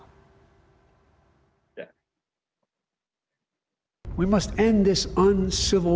kita harus mengakhiri perang yang tidak civil